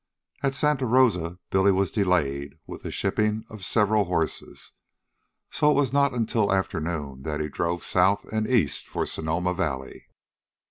At Santa Rosa Billy was delayed with the shipping of several horses, so that it was not until afternoon that he drove south and east for Sonoma Valley.